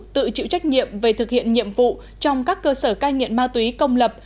tự chịu trách nhiệm về thực hiện nhiệm vụ trong các cơ sở cai nghiện ma túy công lập